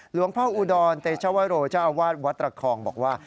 หลวงพ่ออุดรเตชวโรเจ้าอาวาสวัดระคองบอกว่า